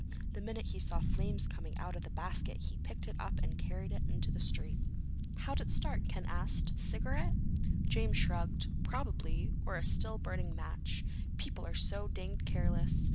The minute he saw flames coming out of the basket he picked it up and carried it into the street." "How'd it start?" Ken asked. "Cigarette?" James shrugged. "Probably. Or a still burning match. People are so danged careless.